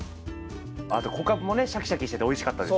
あと小カブもねシャキシャキしてておいしかったです。